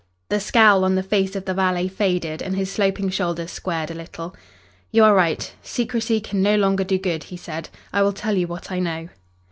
The scowl on the face of the valet faded and his sloping shoulders squared a little. "You are right. Secrecy can no longer do good," he said. "I will tell you what I know."